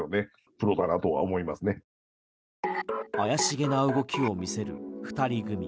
怪しげな動きを見せる２人組。